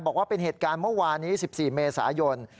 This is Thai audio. บอกว่าเป็นเหตุการณ์เมื่อวานนี้๑๔เมษายน